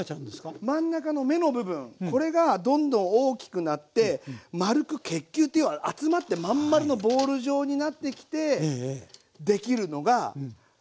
そう真ん中の芽の部分これがどんどん大きくなって丸く結球っていう集まって真ん丸のボール状になってきてできるのがキャベツなんです。